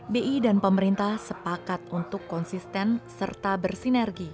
bi dan pemerintah sepakat untuk konsisten serta bersinergi